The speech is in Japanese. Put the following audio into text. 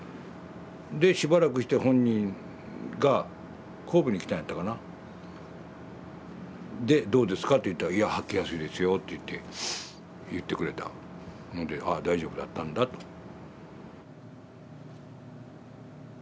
でしばらくして本人が神戸に来たんやったかな。でどうですかって言ったらいや履きやすいですよといって言ってくれたのでああ大丈夫だったんだと。